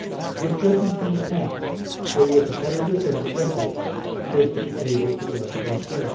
If driven from the town, they were to carry with them the records so as to be able to work elsewhere.